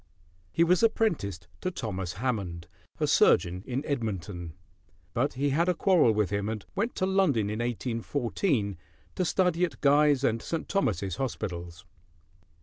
He was apprenticed to Thomas Hammond, a surgeon in Edmonton; but he had a quarrel with him, and went to London in 1814 to study at Guy's and St. Thomas's hospitals.